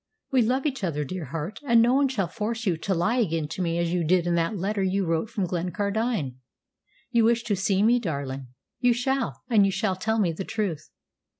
We love each other, dear heart, and no one shall force you to lie again to me as you did in that letter you wrote from Glencardine. You wish to see me, darling. You shall and you shall tell me the truth.